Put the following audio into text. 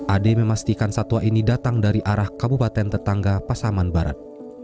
ade memastikan satwa ini datang dari arah kabupaten tetangga pasaman barat